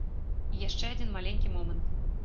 І яшчэ адзін маленькі момант.